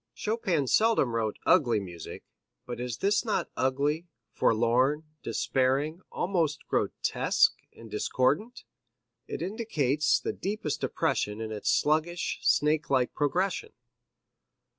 Chopin seldom wrote ugly music, but is this not ugly, forlorn, despairing, almost grotesque, and discordant? It indicates the deepest depression in its sluggish, snake like progression.